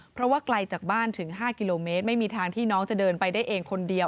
เพราะว่าไกลจากบ้านถึง๕กิโลเมตรไม่มีทางที่น้องจะเดินไปได้เองคนเดียว